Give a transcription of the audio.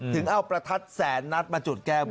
ถึงเอาประทัดแสนนัดมาจุดแก้บน